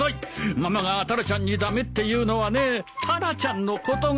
ママがタラちゃんに駄目って言うのはねタラちゃんのことが。